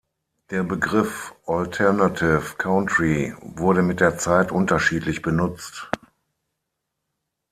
Der Begriff „Alternative Country“ wurde mit der Zeit unterschiedlich benutzt.